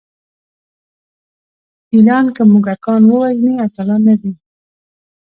فیلان که موږکان ووژني اتلان نه دي.